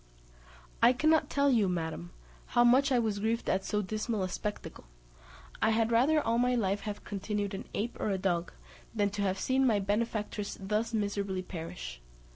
I cannot tell you, madam, how much I was grieved at so dismal a spectacle; I had rather all my life have continued an ape or a dog, than to have seen my benefactress thus miserably perish.